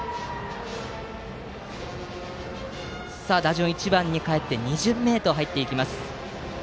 打順１番にかえって２巡目へと入りました。